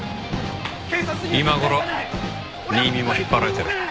今頃新見も引っ張られてる。